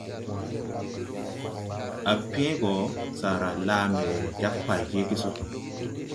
À pẽẽ go, saara laa mbɛ jag pay jeege so.